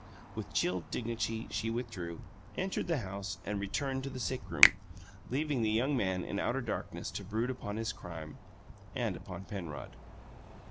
With chill dignity she withdrew, entered the house, and returned to the sick room, leaving the young man in outer darkness to brood upon his crime and upon Penrod.